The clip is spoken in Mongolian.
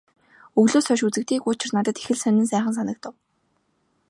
Өвлөөс хойш үзэгдээгүй учир надад их л сонин сайхан санагдав.